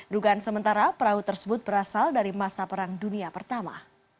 dugaan sementara perahu tersebut berasal dari masa perang dunia pertama